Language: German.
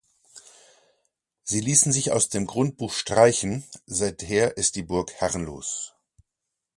Sie ließen sich aus dem Grundbuch streichen, seither ist die Burg herrenlos.